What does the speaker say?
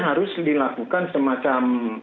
harus dilakukan semacam